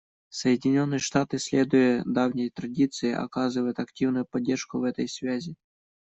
Соединенные Штаты, следуя давней традиции, оказывают активную поддержку в этой связи.